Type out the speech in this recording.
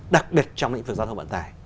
đặc biệt trong lĩnh vực giao thông vận tải